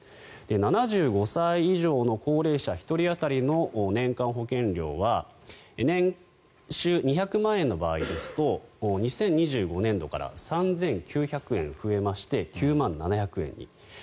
７５歳以上の高齢者１人当たりの年間保険料は年収２００万円の場合ですと２０２５年度から３９００円増えまして９万７００円に。